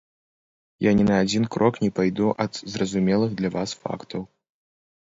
Я ні на адзін крок не пайду ад зразумелых для вас фактаў.